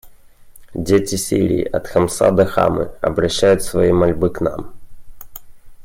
Дети Сирии — от Хомса до Хамы — обращают свои мольбы к нам.